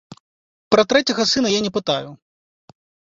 Пра трэцяга сына я не пытаю.